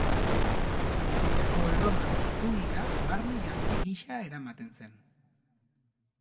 Antzinako Erroman, tunika barne-jantzi gisa eramaten zen.